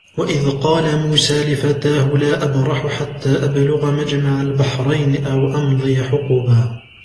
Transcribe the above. وَإِذْ قَالَ مُوسَى لِفَتَاهُ لَا أَبْرَحُ حَتَّى أَبْلُغَ مَجْمَعَ الْبَحْرَيْنِ أَوْ أَمْضِيَ حُقُبًا